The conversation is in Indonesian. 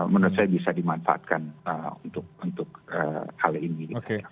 menurut saya bisa dimanfaatkan untuk hal ini